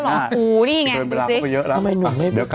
ลองปูฯนี่ไงดูซิ